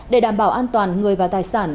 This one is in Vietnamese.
để đảm bảo an toàn người và tài sản